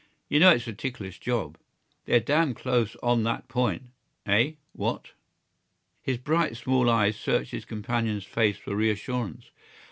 You know it's a ticklish job. They're damn close on that point. Eh?... What?" His bright, small eyes searched his companion's face for reassurance.